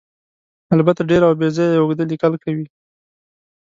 البته ډېر او بې ځایه اوږده لیکل کوي.